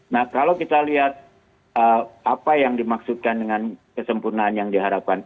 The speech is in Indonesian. nah kalau kita lihat apa yang dimaksudkan dengan kesempurnaan yang diharapkan